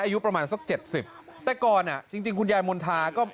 อายุประมาณสัก๗๐แต่ก่อนจริงคุณยายมณฑาก็